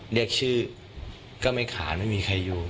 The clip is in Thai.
เรียกชื่อก็ไม่ขาไม่มีใครอยู่